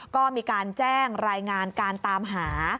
ก็มีการแจ้งรายงานการตามหา